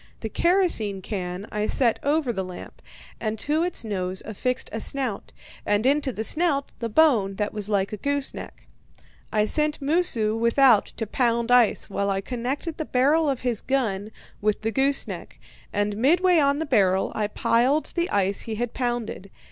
The kerosene can I set over the lamp, and to its nose I affixed a snout, and into the snout the bone that was like a gooseneck. I sent Moosu without to pound ice, while I connected the barrel of his gun with the gooseneck, and midway on the barrel I piled the ice he had pounded.